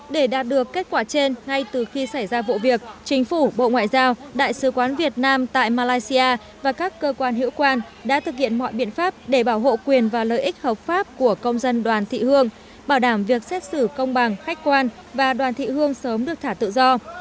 để đạt được kết quả trên ngay từ khi xảy ra vụ việc chính phủ bộ ngoại giao đại sứ quán việt nam tại malaysia và các cơ quan hữu quan đã thực hiện mọi biện pháp để bảo hộ quyền và lợi ích hợp pháp của công dân đoàn thị hương bảo đảm việc xét xử công bằng khách quan và đoàn thị hương sớm được thả tự do